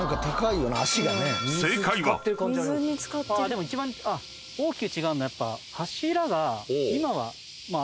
でも一番大きく違うのやっぱ。